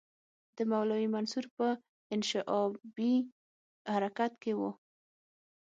د مولوي منصور په انشعابي حرکت کې وو.